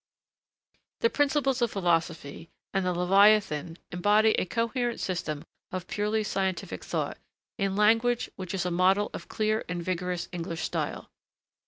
The 'Principles of Philosophy' and the 'Leviathan' embody a coherent system of purely scientific thought in language which is a model of clear and vigorous English style.